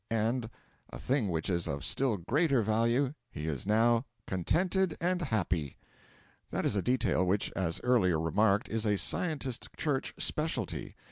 And a thing which is of still greater value he is now 'contented and happy.' That is a detail which, as earlier remarked, is a Scientist Church specialty.